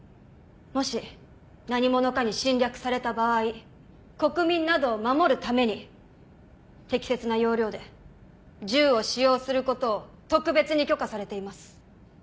もし何者かに侵略された場合国民などを守るために適切な要領で銃を使用することを特別に許可されています。